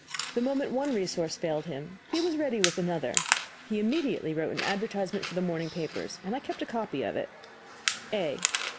The moment one resource failed him he was ready with another. He immediately wrote an advertisement for the morning papers, and I kept a copy of it: A.